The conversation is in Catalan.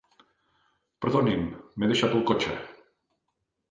Perdonin, m'he deixat el cotxe.